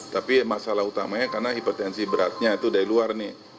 tapi masalah utamanya karena hipertensi beratnya itu dari luar nih